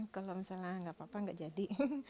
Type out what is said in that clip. kalau misalnya gak apa apa gak jadi